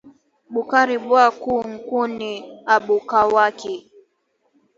Bukari bwa ku nkuni abukawaki